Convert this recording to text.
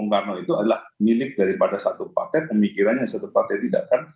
pak prabowo itu adalah milik daripada satu partai pemikirannya satu partai tidak